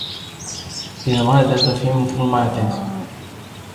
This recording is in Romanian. Prin urmare, trebuie să fim mult mai atenți.